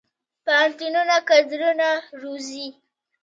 پوهنتونونه کادرونه روزي